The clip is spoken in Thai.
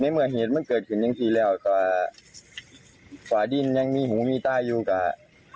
เมื่อเหตุมันเกิดขึ้นอย่างที่แล้วก็ฝาดินยังมีหูมีตาอยู่กับ